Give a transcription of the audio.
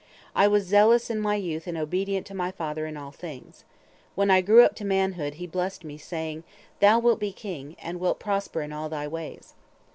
I was zealous in my youth and obedient to my father in all things. When I grew up to manhood, he blessed me, saying, 'Thou wilt be king, and wilt prosper in all thy ways.'